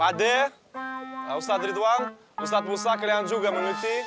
pak deh ustadz ridwan ustadz ustadz kalian juga mengikuti